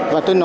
và tôi nói là